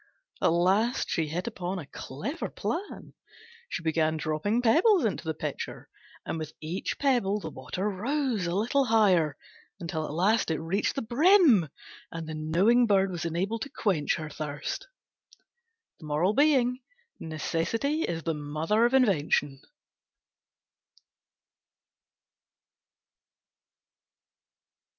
At last she hit upon a clever plan. She began dropping pebbles into the Pitcher, and with each pebble the water rose a little higher until at last it reached the brim, and the knowing bird was enabled to quench her thirst. Necessity is the mother of invention.